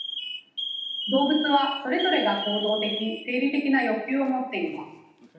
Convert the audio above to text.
動物はそれぞれが行動的生理的な欲求を持っています。